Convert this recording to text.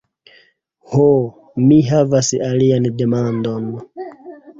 Ho, mi havas alian demandon.